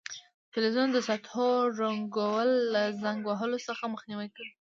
د فلزونو د سطحو رنګول له زنګ وهلو څخه مخنیوی کوي.